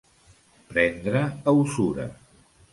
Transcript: Prendre a usura.